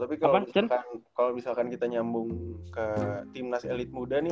tapi kalau misalkan kita nyambung ke timnas elit muda nih